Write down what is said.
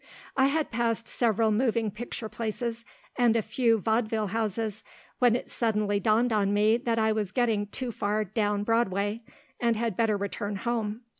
I had passed several moving picture places and a few vaudeville houses, when it suddenly dawned on me that I was getting too far down Broadway, and had better return home.